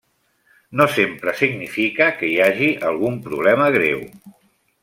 No sempre significa que hi hagi algun problema greu.